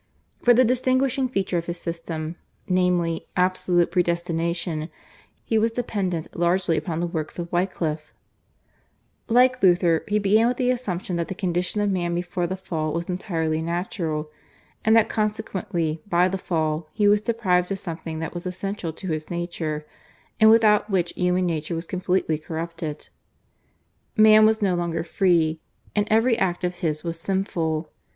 For the distinguishing feature of his system, namely, absolute predestination, he was dependent largely upon the works of Wycliffe. Like Luther, he began with the assumption that the condition of man before the Fall was entirely natural, and that consequently by the Fall he was deprived of something that was essential to his nature and without which human nature was completely corrupted. Man was no longer free, and every act of his was sinful.